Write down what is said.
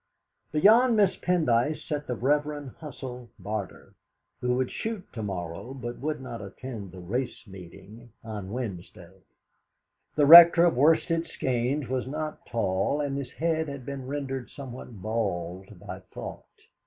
Beyond Miss Pendyce sat the Reverend Hussell Barter, who would shoot to morrow, but would not attend the race meeting on Wednesday. The Rector of Worsted Skeynes was not tall, and his head had been rendered somewhat bald by thought.